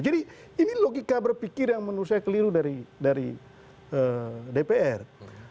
jadi ini logika berpikir yang menurut saya keliru dari dpr